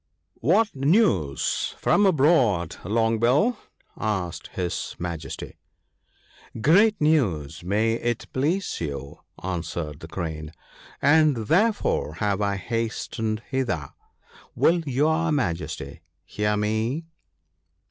1 What news from abroad, Long bill ?' asked his Majesty. ' Great news, may it please you/ answered the Crane, * and therefore have I hastened hither. Will your Majesty hear me